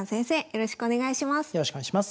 よろしくお願いします。